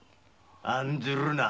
案ずるな。